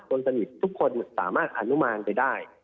คนสนิททุกคนสามารถอนุมานไปได้